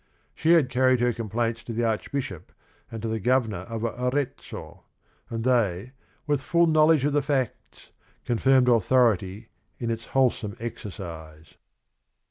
She had carried her complaints to the Archbishop and to the Governor of Arezzo, and they, with full knowledge of the facts "con firmed authority in its wholesome exercise."